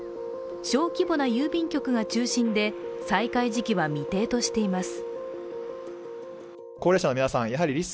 小規模な郵便局が中心で、再開時期は未定としています。